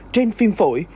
trên phim phổi